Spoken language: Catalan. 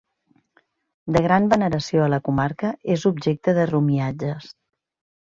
De gran veneració a la comarca, és objecte de romiatges.